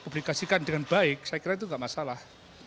publikasikan dengan baik saya kira itu tidak masalah